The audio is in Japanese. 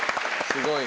すごい。